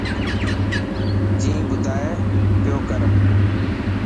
جيبن ٻڌائي پيوڪرو.